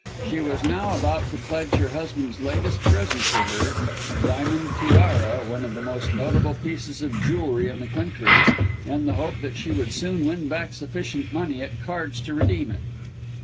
She was now about to pledge her husband's latest present to her a diamond tiara, one of the most notable pieces of jewellery in the country in the hope that she would soon win back sufficient money at cards to redeem it.